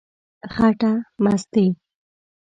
خټه مستې،